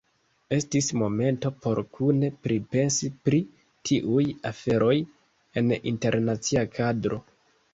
Estis momento por kune pripensi pri tiuj aferoj en internacia kadro.